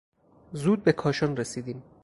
زود به کاشان رسیدیم.